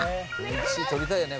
１位取りたいよね